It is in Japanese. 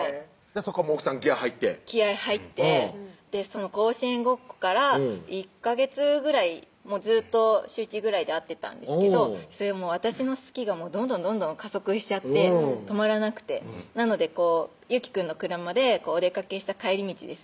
そこからもう奥さんギヤ入って気合い入ってその甲子園ごっこから１ヵ月ぐらいずっと週１ぐらいで会ってたんですけど私の好きがどんどんどんどん加速しちゃって止まらなくてなので祐樹くんの車でお出かけした帰り道ですね